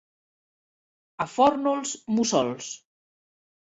A Fórnols, mussols.